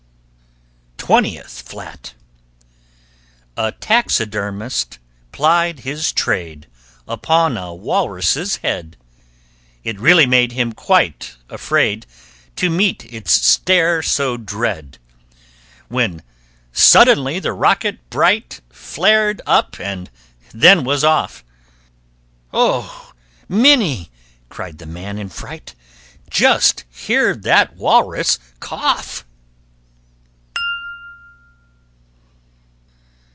[Illustration: NINETEENTH FLAT] TWENTIETH FLAT A taxidermist plied his trade Upon a walrus' head. It really made him quite afraid To meet its stare so dread. When suddenly the rocket, bright, Flared up and then was off! "Oh, Minnie," cried the man in fright, "Just hear that walrus cough!"